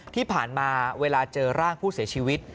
ที่ผ่านมาเวลาเจอร่างผู้เสียชีวิต